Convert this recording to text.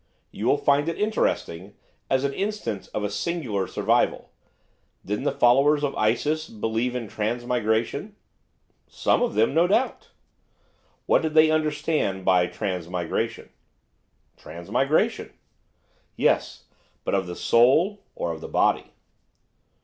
You will find it interesting, as an instance of a singular survival. Didn't the followers of Isis believe in transmigration?' 'Some of them, no doubt.' 'What did they understand by transmigration?' 'Transmigration.' 'Yes, but of the soul or of the body?